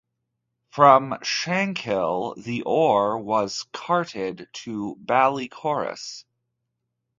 From Shankill the ore was carted to Ballycorus.